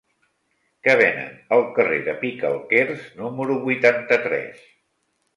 Què venen al carrer de Picalquers número vuitanta-tres?